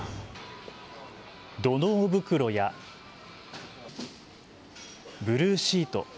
土のう袋やブルーシート。